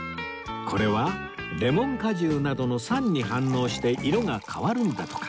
これはレモン果汁などの酸に反応して色が変わるんだとか